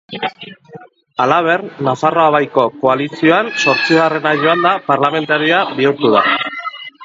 Halaber, Nafarroa Baiko koalizioan zortzigarrena joanda, parlamentaria bihurtu da.